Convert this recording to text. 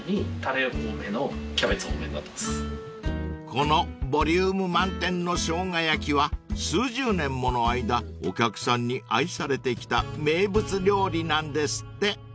［このボリューム満点の生姜焼きは数十年もの間お客さんに愛されてきた名物料理なんですって］